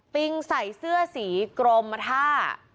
ใส่เสื้อสีกรมท่า